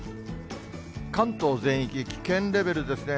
関東全域危険レベルですね。